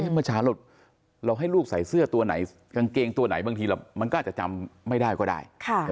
เมื่อเช้าเราให้ลูกใส่เสื้อตัวไหนกางเกงตัวไหนบางทีมันก็อาจจะจำไม่ได้ก็ได้